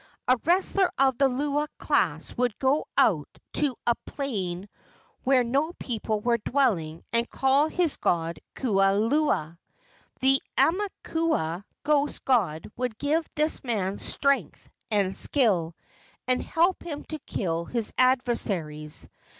A wrestler of the lua class would go out to a plain where no people were dwelling and call his god Kuialua. The aumakua ghost god would give this man strength and skill, and help him to kill his adversaries.